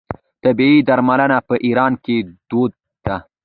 طبیعي درملنه په ایران کې دود ده.